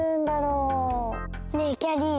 ねえきゃりー。